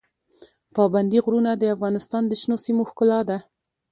پابندی غرونه د افغانستان د شنو سیمو ښکلا ده.